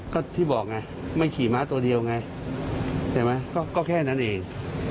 ก็ที่บอกไงไม่ขี่ม้าตัวเดียวไงใช่ไหมก็แค่นั้นเอง